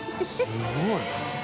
すごい。